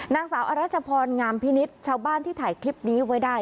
นางสาวอรัชพรงามพินิษฐ์ชาวบ้านที่ถ่ายคลิปนี้ไว้ได้